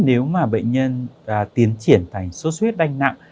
nếu mà bệnh nhân tiến triển thành số suất huyết đanh nặng